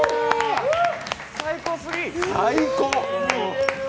最高！